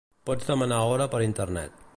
Pots demanar hora per Internet.